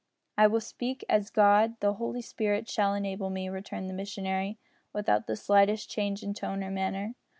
"I will speak as God the Holy Spirit shall enable me," returned the missionary, without the slightest change in tone or manner.